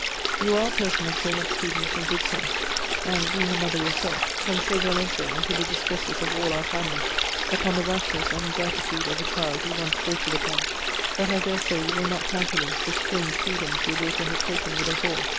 You are a person of so much prudence and good sense, and (being a mother yourself) can so well enter into the distresses of all our family, upon the rashness and ingratitude of a child we once doated upon, that, I dare say, you will not countenance the strange freedoms your daughter has taken with us all.